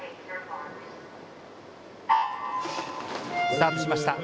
スタートしました。